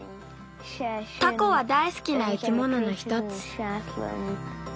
タコはだいすきな生き物のひとつ。